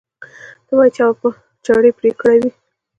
چې ته وا چا به په چړې پرې کړي وي.